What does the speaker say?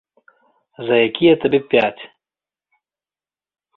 За якія табе пяць.